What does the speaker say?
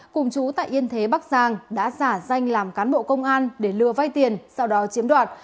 cùng chú tại yên thế bắc giang đã giả danh làm cán bộ công an để lừa vay tiền sau đó chiếm đoạt